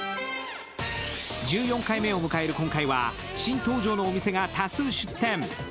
１４回目を迎える今回は新登場のお店が多数出店。